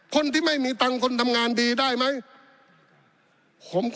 คนที่ไม่มีตังค์คนทำงานดีได้ไหม